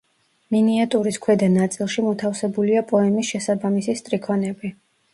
მინიატურის ქვედა ნაწილში მოთავსებულია პოემის შესაბამისი სტრიქონები.